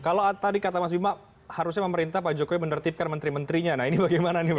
kalau tadi kata mas bima harusnya pemerintah pak jokowi menertibkan menteri menterinya nah ini bagaimana nih pak